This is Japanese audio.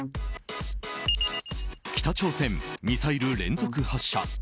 北朝鮮、ミサイル連続発射。